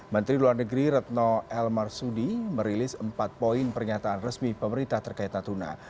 menteri luar negeri retno el marsudi merilis empat poin pernyataan resmi pemerintah terkait natuna